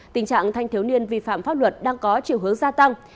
tình trạng thanh thiếu niên vi phạm pháp luật đang có chiều hướng gia tăng